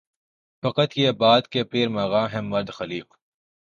فقط یہ بات کہ پیر مغاں ہے مرد خلیق